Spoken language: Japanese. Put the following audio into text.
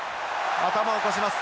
頭を起こします。